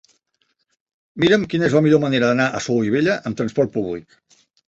Mira'm quina és la millor manera d'anar a Solivella amb trasport públic.